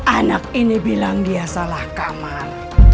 anak ini bilang dia salah kamar